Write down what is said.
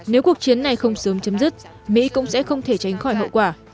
nếu cuộc chiến này không sớm chấm dứt mỹ cũng sẽ không thể tránh khỏi hậu quả